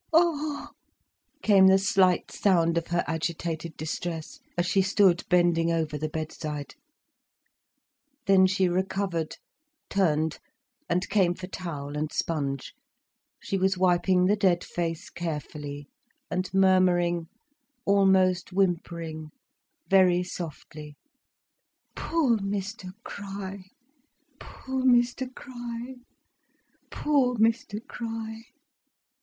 "Ah h!" came the slight sound of her agitated distress, as she stood bending over the bedside. Then she recovered, turned, and came for towel and sponge. She was wiping the dead face carefully, and murmuring, almost whimpering, very softly: "Poor Mr Crich!—Poor Mr Crich! Poor Mr Crich!"